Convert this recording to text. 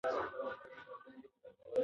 پایلې د نورو څېړنو اړتیا ښيي.